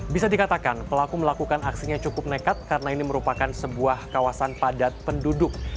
bisa dikatakan pelaku melakukan aksinya cukup nekat karena ini merupakan sebuah kawasan padat penduduk